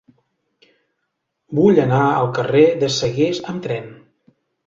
Vull anar al carrer de Sagués amb tren.